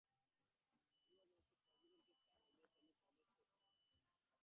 He was also forbidden to serve against any Protestant power.